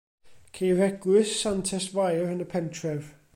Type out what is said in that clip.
Ceir eglwys Santes Fair yn y pentref.